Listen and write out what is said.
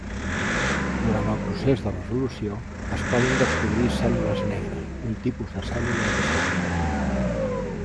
Durant el procés de resolució, es poden descobrir cèl·lules "negres", un tipus de cèl·lula addicional.